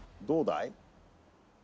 どうだい？」